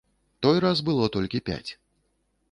Той раз было толькі пяць.